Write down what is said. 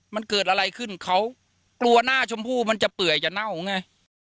มันเกิดอะไรขึ้นเขากลัวหน้าชมพู่มันจะเปื่อยจะเน่าไง